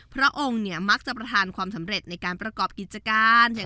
พระองค์เนี่ยมักจะประทานความสำเร็จในการประกอบกิจการอย่าง